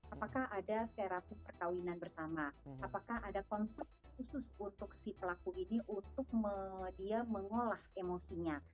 apakah kemudian ada follow up nya apakah ada terapi perkawinan bersama apakah ada konsep khusus untuk si pelaku ini untuk dia mengolah emosinya